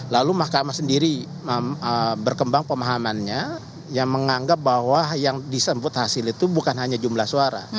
lalu mahkamah sendiri berkembang pemahamannya yang menganggap bahwa yang disebut hasil itu bukan hanya jumlah suara